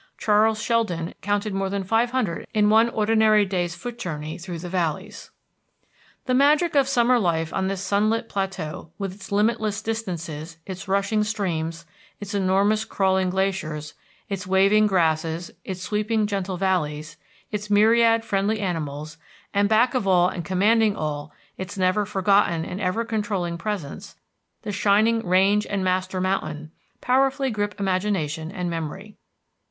Charles Sheldon counted more than five hundred in one ordinary day's foot journey through the valleys. The magic of summer life on this sunlit plateau, with its limitless distances, its rushing streams, its enormous crawling glaciers, its waving grasses, its sweeping gentle valleys, its myriad friendly animals, and, back of all and commanding all, its never forgotten and ever controlling presence, the shining Range and Master Mountain, powerfully grip imagination and memory.